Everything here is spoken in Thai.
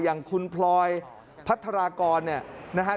อย่างคุณพลอยพัฒนากรเนี่ยนะฮะ